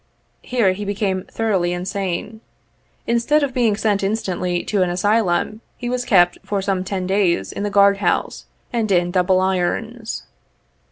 Here he became thoroughly insane. In stead of being sent instantly to an Asylum, he was kept, for some ten days, in the guard house, and in double irons.